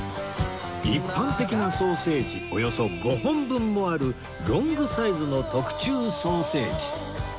一般的なソーセージおよそ５本分もあるロングサイズの特注ソーセージ